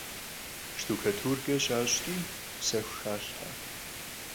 Şştukaturke şaş'ç'i sexu xalhhe.